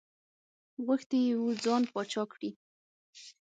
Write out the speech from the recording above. غوښتي یې وو ځان پاچا کړي.